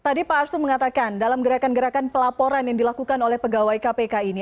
tadi pak arsul mengatakan dalam gerakan gerakan pelaporan yang dilakukan oleh pegawai kpk ini